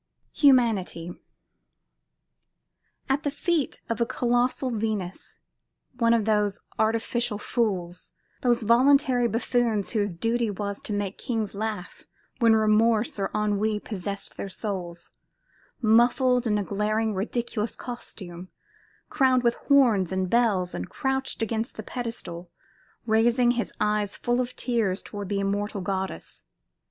HUMANITY At the feet of a colossal Venus, one of those artificial fools, those voluntary buffoons whose duty was to make kings laugh when Remorse or Ennui possessed their souls, muffled in a glaring ridiculous costume, crowned with horns and bells, and crouched against the pedestal, raised his eyes full of tears toward the immortal goddess.